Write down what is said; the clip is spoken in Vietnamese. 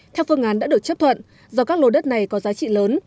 theo phương án đã được chấp thuận do các lô đất này có giá trị lớn